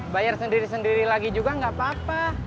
bayar sendiri sendiri lagi juga nggak apa apa